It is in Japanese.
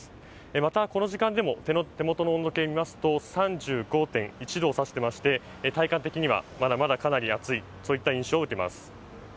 また、この時間でも手元の温度計をみますと３５．１度を指していまして体感的にはまだまだかなり暑いといった印象を受けます。